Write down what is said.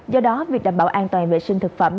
do đó việc đảm bảo an toàn vệ sinh thực phẩm